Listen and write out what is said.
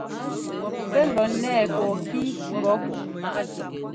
Pɛ́ lɔ nɛɛ kɔɔkí ŋgɔ̌ ku?